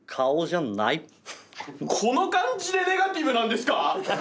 この感じでネガティブなんですか？